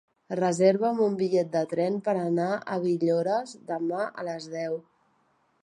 Reserva'm un bitllet de tren per anar a Villores demà a les deu.